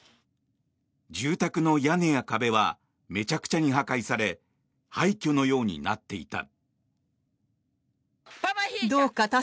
住宅の屋根や壁はめちゃくちゃに破壊され廃虚のようになっていた。